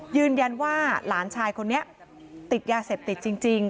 ยืนยันว่าหลานชายคนนี้ติดยาเสพติดจริง